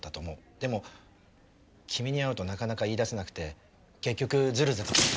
でも君に会うとなかなか言いだせなくて結局ずるずる。